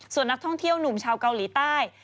ส่วนนักท่องเที่ยวหนุ่มชาวเกาหลีใต้